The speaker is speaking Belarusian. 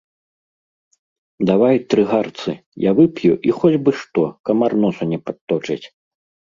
Давай тры гарцы, я вып'ю і хоць бы што, камар носу не падточыць!